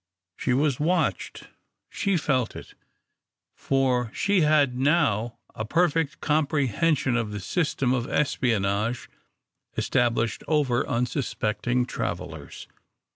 She was watched; she felt it, for she had now a perfect comprehension of the system of espionage established over unsuspecting travellers.